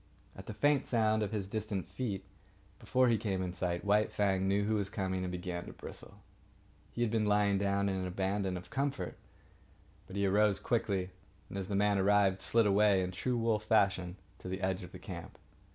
At the faint sound of his distant feet, before he came in sight, White Fang knew who was coming and began to bristle. He had been lying down in an abandon of comfort, but he arose quickly, and, as the man arrived, slid away in true wolf fashion to the edge of the camp.